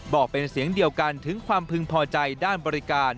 บอกเป็นเสียงเดียวกันถึงความพึงพอใจด้านบริการ